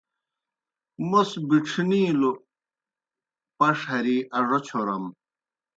موْس بِڇھݨِیلَوْ پݜ ہرِی اڙوْ چھورَم۔